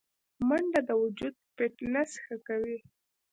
منډه د وجود فټنس ښه کوي